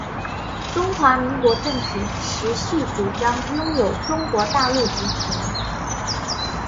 中华民国政府持续主张拥有中国大陆主权